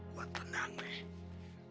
gue tenang deh